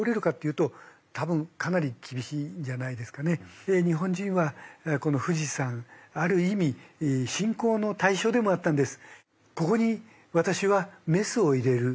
私は日本人はこの富士山ある意味信仰の対象でもあったんです。